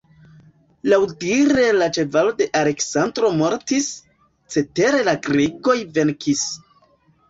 Laŭdire la ĉevalo de Aleksandro mortis, cetere la grekoj venkis.